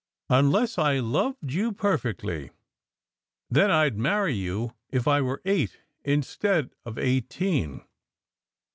Unless I loved you perfectly. Then I d marry you if I were eight instead of eighteen."